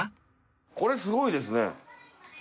これすごいですね。